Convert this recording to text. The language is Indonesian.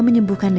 utyah sahabat jiwa